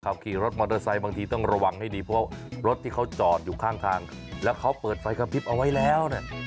ขี่รถมอเตอร์ไซค์บางทีต้องระวังให้ดีเพราะรถที่เขาจอดอยู่ข้างทางแล้วเขาเปิดไฟกระพริบเอาไว้แล้วเนี่ย